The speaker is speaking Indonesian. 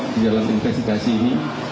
di dalam investigasi ini